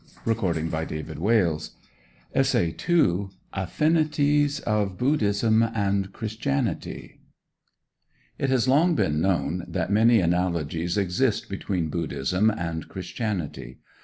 RELIGIOUS AND PHILOSOPHICAL AFFINITIES OF BUDDHISM AND CHRISTIANITY It has long been known that many analogies exist between Buddhism and Christianity.